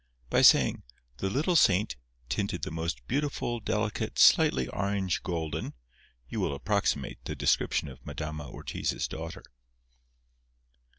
By saying "The little saint, tinted the most beautiful delicate slightly orange golden," you will approximate the description of Madama Ortiz's daughter.